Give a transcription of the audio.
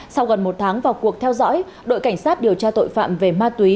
sau gần một tháng vào cuộc theo dõi đội cảnh sát điều tra tội phạm về ma túy